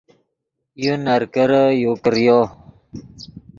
یو نرکرے یو کریو